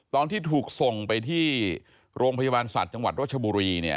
ตอนที่ถูกส่งไปที่โรงพยาบาลสัตว์จังหวัดรัชบุรีเนี่ย